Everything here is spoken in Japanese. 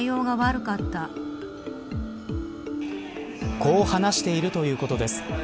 こう話しているということです。